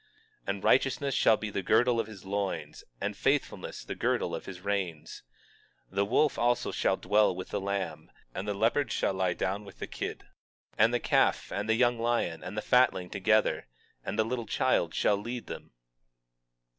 21:5 And righteousness shall be the girdle of his loins, and faithfulness the girdle of his reins. 21:6 The wolf also shall dwell with the lamb, and the leopard shall lie down with the kid, and the calf and the young lion and fatling together; and a little child shall lead them.